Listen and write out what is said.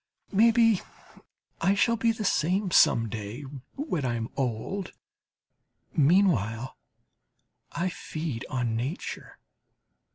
Maybe, I shall be the same, some day, when I am old; meanwhile I feed on nature.